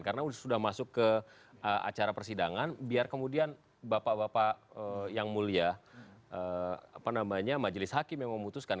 karena sudah masuk ke acara persidangan biar kemudian bapak bapak yang mulia majelis hakim yang memutuskan